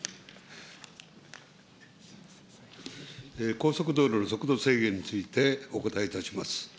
高速道路の速度制限についてお答えいたします。